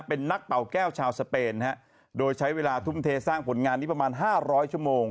เป็นนักเป่าแก้วชาวสเปนฮะโดยใช้เวลาทุ่มเทสร้างผลงานนี้ประมาณห้าร้อยชั่วโมง